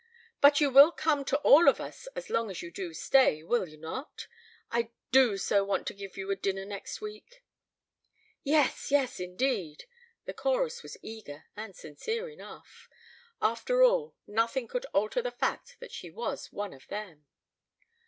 "But you will come to all of us as long as you do stay, will you not? I do so want to give you a dinner next week." "Yes, yes, indeed." The chorus was eager, and sincere enough. After all, nothing could alter the fact that she was one of them.